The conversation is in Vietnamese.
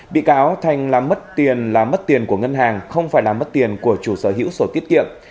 bị cáo thành là mất tiền là mất tiền của ngân hàng không phải là mất tiền của chủ sở hữu sổ tiết kiệm